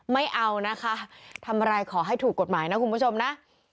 ไม่เอานะคะทำอะไรขอให้ถูกกฎหมายนะคุณผู้ชมนะ